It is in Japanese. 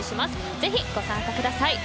ぜひ、参加ください。